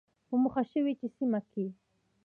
په موخه شوې چې سیمه کې